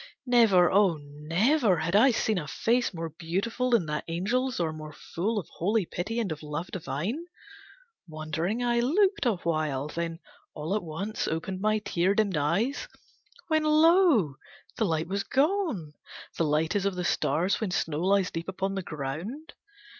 Never, oh never had I seen a face More beautiful than that Angel's, or more full Of holy pity and of love divine. Wondering I looked awhile, then, all at once Opened my tear dimmed eyes When lo! the light Was gone the light as of the stars when snow Lies deep upon the ground.